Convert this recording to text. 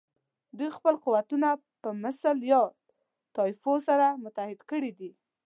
دوی خپل قوتونه په مثل یا طایفو سره متحد کړي وو.